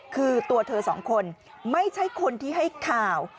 คือตัวเธอสองคนไม่ใช่คนที่ให้ข่าว